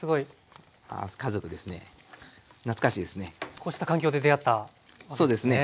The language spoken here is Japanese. こうした環境で出会ったわけですね。